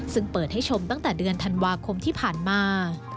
ซึ่งเปิดให้ชมตั้งแต่เดือนธันวาคมที่ผ่านมา